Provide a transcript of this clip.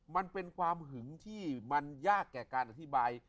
มันเป็นความหึงที่มันยากแก่การอธิบาย